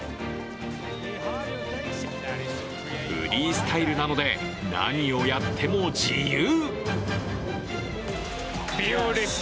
フリースタイルなので、何をやっても自由。